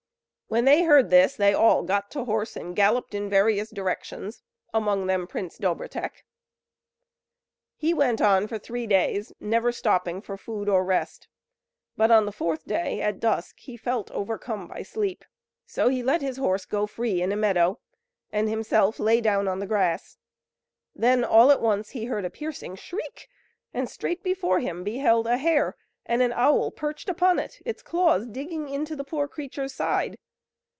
When they heard this they all got to horse, and galloped in various directions; among them Prince Dobrotek. He went on for three days, never stopping for food or rest; but on the fourth day, at dusk, he felt overcome by sleep; so he let his horse go free in a meadow, and himself lay down on the grass. Then all at once he heard a piercing shriek, and straight before him beheld a hare, and an owl perched upon it its claws digging into the poor creature's side.